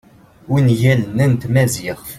ungalen-a n tmaziɣt